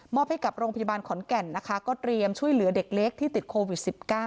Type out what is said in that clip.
ให้กับโรงพยาบาลขอนแก่นนะคะก็เตรียมช่วยเหลือเด็กเล็กที่ติดโควิด๑๙